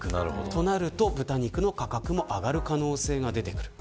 そうなると豚肉の価格も上がる可能性がある。